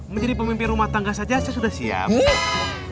menjadi pemimpin rumah tangga saja saya sudah siap